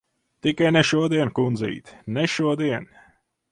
Tikai ne šodien, kundzīt. Ne šodien!